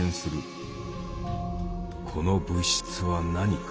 この物質は何か？